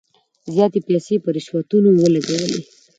زیاتي پیسې په رشوتونو ولګولې.